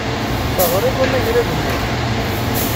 Taɣriḍ amagrad-nni?